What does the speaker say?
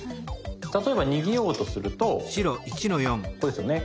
例えば逃げようとするとここですよね。